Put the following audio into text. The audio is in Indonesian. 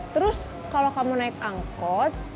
terus kalau kamu naik angkot